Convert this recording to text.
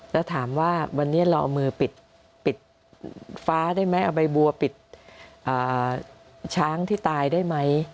แล้วถามว่าวันนี้เราเอามือปิดฟ้าได้ไหมเอาใบบัวปิดช้างที่ตายได้ไหม